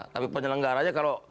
tapi penyelenggaranya kalau